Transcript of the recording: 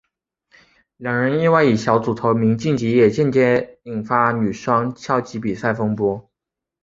两人意外以小组头名晋级也间接引发女双消极比赛风波。